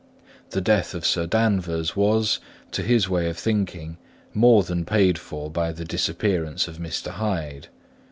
The death of Sir Danvers was, to his way of thinking, more than paid for by the disappearance of Mr. Hyde.